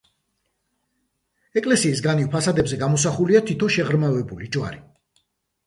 ეკლესიის განივ ფასადებზე გამოსახულია თითო შეღრმავებული ჯვარი.